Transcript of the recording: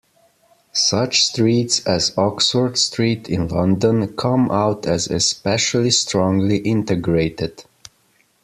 Such streets, as Oxford Street in London, come out as especially strongly integrated.